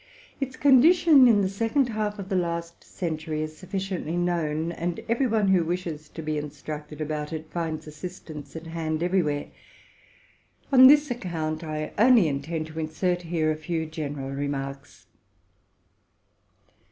Its condition in the second half of the last century is sufficiently known, and every one who wishes to be instructed about it finds assist ance at hand everywhere. On this account I only intend to insert here a few general remarks.